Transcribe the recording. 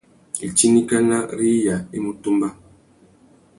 Itindikana râ iya i mú tumba.